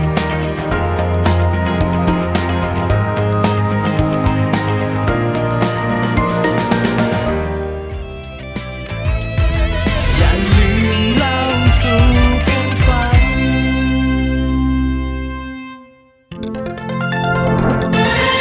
อย่าลืมเล่าสุขกันฟัง